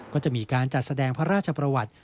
ก็จะมีการจัดแสดงพระราชประวัติ